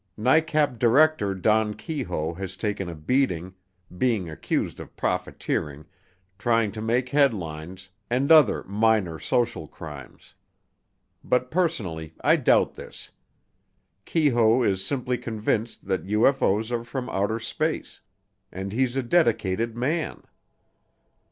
NICAP Director Don Keyhoe has taken a beating, being accused of profiteering, trying to make headlines, and other minor social crimes. But personally I doubt this. Keyhoe is simply convinced that UFO's are from outer space and he's a dedicated man.